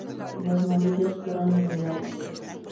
Los novillos fueron de Veragua.